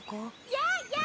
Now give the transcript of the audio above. ・やあやあ！